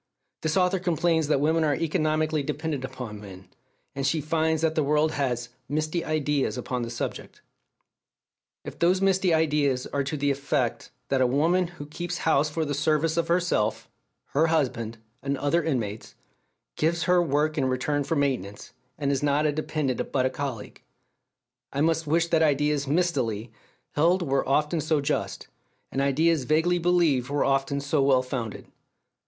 This author complains that women are economically dependent upon men; and she finds that the world has "misty ideas upon the subject." If those misty ideas are to the effect that a woman who keeps house for the service of herself, her husband, and the other inmates, gives her work in return for maintenance, and is not a dependent but a colleague, I must wish that ideas "mistily" held were often so just, and ideas vaguely believed were often so well founded.